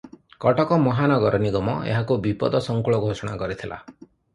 କଟକ ମହାନଗର ନିଗମ ଏହାକୁ ବିପଦସଂକୁଳ ଘୋଷଣା କରିଥିଲା ।